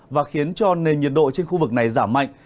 và khiến cho nền nhiệt độ trên khu vực này giảm mạnh